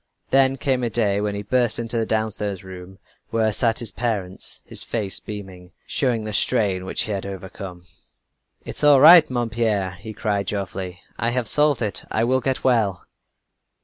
Then came a day when he burst in to the downstairs room where sat his parents, his face beaming showing the strain which he had overcome. "It's all right, mon père!" he cried joyfully. "I have solved it. I will get well!"